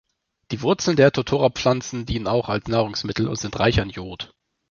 Die Wurzeln der Totora-Pflanzen dienen auch als Nahrungsmittel und sind reich an Jod.